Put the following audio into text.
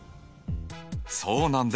そうなんです。